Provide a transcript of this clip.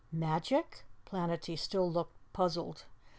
"Magic?" Planetty still looked puzzled.